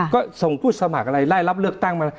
ก็ส่งผู้สมัครอะไรไล่รับเลือกตั้งมา